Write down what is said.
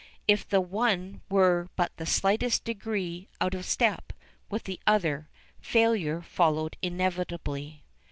If the one were but the slightest degree "out of step" with the other, failure followed inevitably.